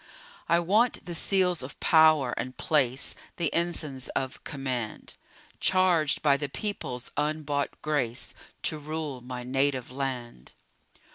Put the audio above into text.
I want the seals of power and place, The ensigns of command; Charged by the People's unbought grace To rule my native land.